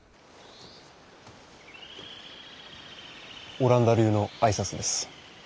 オランダ流の挨拶です。